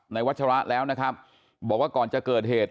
วัชระแล้วนะครับบอกว่าก่อนจะเกิดเหตุ